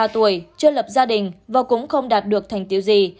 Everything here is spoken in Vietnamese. trước lập gia đình và cũng không đạt được thành tiêu gì